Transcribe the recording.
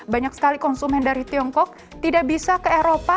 banyak sekali konsumen dari tiongkok tidak bisa ke eropa